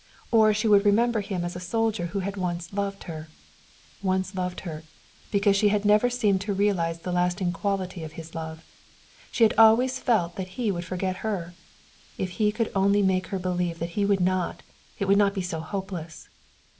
Or she would remember him as a soldier who had once loved her. Once loved her, because she had never seemed to realize the lasting quality of his love. She had always felt that he would forget her. If he could only make her believe that he would not, it would not be so hopeless.